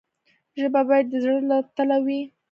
ژبه باید د زړه له تله وي.